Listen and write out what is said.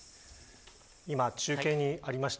今、中継にありました